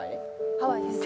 ハワイです